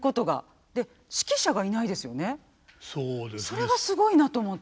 それがすごいなと思って。